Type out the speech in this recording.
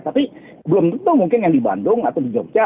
tapi belum tentu mungkin yang di bandung atau di jogja